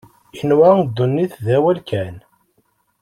Inwa ddunit d awal kan.